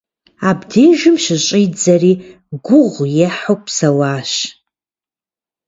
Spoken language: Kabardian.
Абдежым щыщӀидзэри гугъу ехьу псэуащ.